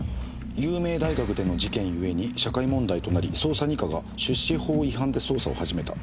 「有名大学での事件ゆえに社会問題となり捜査二課が出資法違反で捜査を始めた」